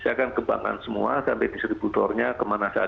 saya akan kembangkan semua sampai distributornya kemana saja